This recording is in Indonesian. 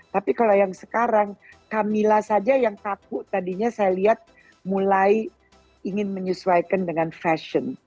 tapi kalau yang sekarang camilla saja yang kaku tadinya saya lihat mulai ingin menyesuaikan dengan fashion